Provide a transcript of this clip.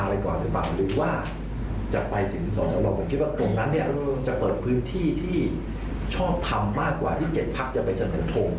เราคิดว่าตรงนั้นจะเปิดพื้นที่ที่ชอบทำมากกว่าที่เจ็ดทักจะไปเสนอทม